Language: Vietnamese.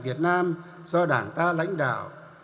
việt nam do đảng ta lãnh đạo